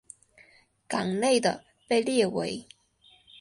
港内的被列为。